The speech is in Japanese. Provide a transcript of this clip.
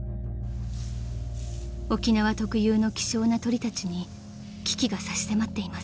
［沖縄特有の希少な鳥たちに危機が差し迫っています］